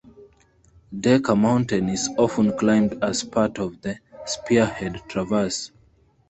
Decker Mountain is often climbed as part of the "Spearhead Traverse".